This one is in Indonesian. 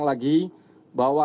kekuatan birth nas